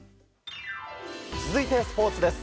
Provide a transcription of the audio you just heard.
続いて、スポーツです。